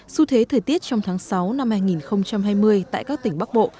xu thế thời tiết trong tháng sáu năm hai nghìn hai mươi tại các tỉnh bắc bộ